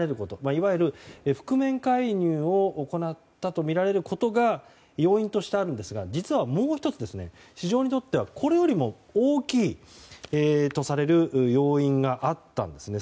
いわゆる覆面介入を行ったとみられることが要因として、あるんですが実はもう１つ、市場にとってはこれよりも大きいとされる要因があったんですね。